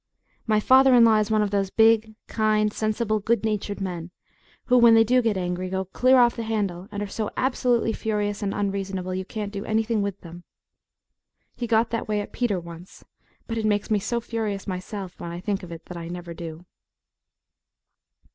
My father in law is one of those big, kind, sensible, good natured men who, when they do get angry, go clear off the handle, and are so absolutely furious and unreasonable you can't do anything with them. He got that way at Peter once but it makes me so furious myself when I think of it that I never do.